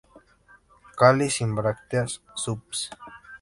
Cáliz sin brácteas...subsp.